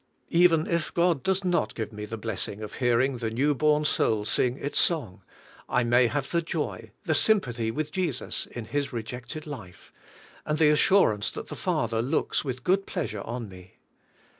Even if God does not give me the blessing of hearing the new born soul sing its song, I may have the joy, the sympathy with Jesus in His rejected life, and the assurance that the Father looks with good pleasure on me.